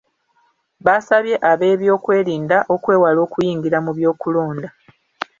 Baasabye ab’ebyokwerinda okwewala okuyingira mu byokulonda.